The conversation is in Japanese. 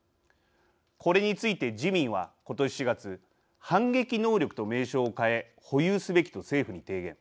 これについて自民は、ことし４月反撃能力と名称を変え保有すべきと政府に提言。